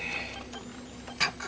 ったく。